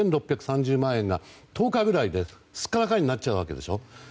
４６３０万円が１０日ぐらいですっからかんになっちゃうわけでしょ。